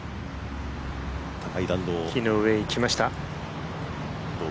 木の上、いきました。